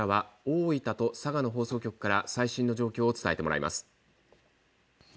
では、ここからは大分と佐賀の放送局から最新の状況を伝えてもらいます。